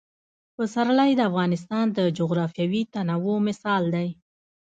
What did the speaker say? پسرلی د افغانستان د جغرافیوي تنوع مثال دی.